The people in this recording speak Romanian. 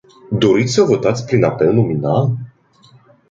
Doriți să votați prin apel nominal?